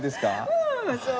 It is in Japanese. うんそう。